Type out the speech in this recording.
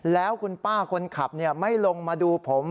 แล้วคุณป้าคนขับไม่ลงมาดูผม